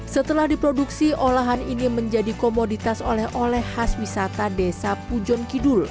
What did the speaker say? setelah diproduksi olahan ini menjadi komoditas oleh oleh khas wisata desa pujon kidul